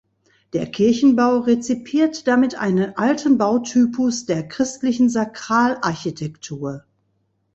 Der Kirchenbau rezipiert damit einen alten Bautypus der christlichen Sakralarchitektur.